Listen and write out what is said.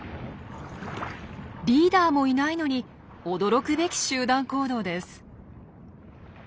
リーダーもいないのに驚くべき集団行動です。